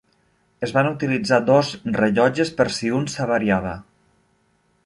Es van utilitzar dos rellotges per si un s'avariava.